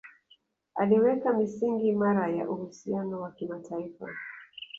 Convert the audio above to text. Aliweka misingi imara ya uhusiano wa kimataifa